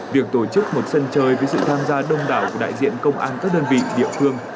việc tổ chức một sân chơi với sự tham gia đông đảo của đại diện công an các đơn vị địa phương